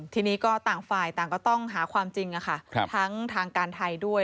ทีนี้ก็ต่างฝ่ายต่างก็ต้องหาความจริงทั้งทางการไทยด้วย